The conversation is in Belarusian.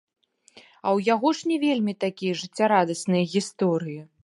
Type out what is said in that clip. А ў яго ж не вельмі такія жыццярадасныя гісторыі.